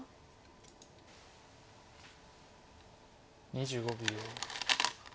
２５秒。